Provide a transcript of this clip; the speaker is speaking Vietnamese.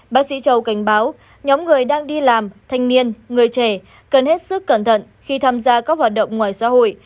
bác sĩ châu cảnh báo nhóm người đang đi làm thanh niên người trẻ cần hết sức cẩn thận khi tham gia các hoạt động ngoài xã hội